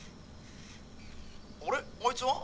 あれあいつは？